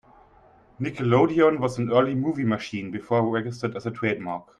"Nickelodeon" was an early movie machine before registered as a trademark.